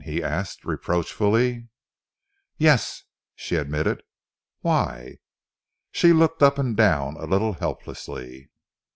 he asked reproachfully. "Yes!" she admitted. "Why?" She looked up and down a little helplessly.